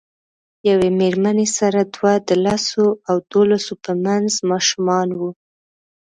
یوې میرمنې سره دوه د لسو او دولسو په منځ ماشومان وو.